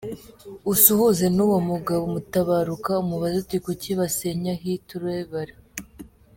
Usuhuze nuwo mugabo Mutabaruka umubaze uti kuki basenya Hit urebera??.